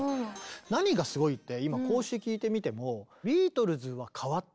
何がすごいって今こうして聴いてみてもあ分かる。